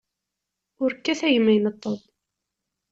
Ur kkat a gma ineṭṭeḍ!